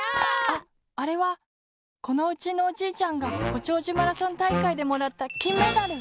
ああれはこのうちのおじいちゃんがごちょうじゅマラソンたいかいでもらったきんメダル！